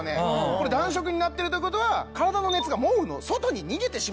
これ暖色になってるということは体の熱が毛布の外に逃げてしまっている。